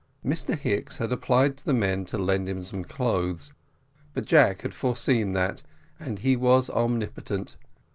Mr Hicks had applied to the men to lend him some clothes, but Jack had foreseen that, and he was omnipotent.